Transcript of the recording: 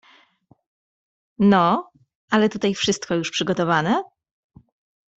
"No, ale tutaj wszystko już przygotowane?"